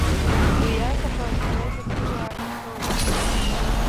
Уи аҵаҟа ҩажәак рыла иаҳәоит.